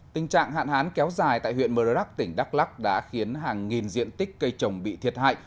tình trạng hạn hán kéo dài tại huyện mờ rắc tỉnh đắk lắc đã khiến hàng nghìn diện tích cây trồng bị thiệt hại